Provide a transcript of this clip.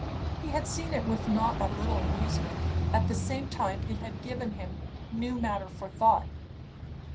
He had seen it with not a little amusement; at the same time it had given him new matter for thought.